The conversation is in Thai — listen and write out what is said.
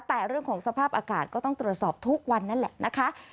แต่เรื่องของสภาพอากาศก็ต้องตรวจสอบทุกวันนั่นแหละนะคะ